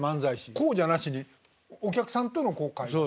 こうじゃなしにお客さんとのこう会話。